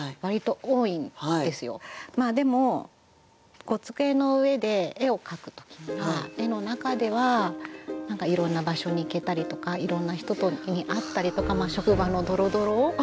でも机の上で絵を描く時には絵の中では何かいろんな場所に行けたりとかいろんな人に会ったりとか職場のドロドロ？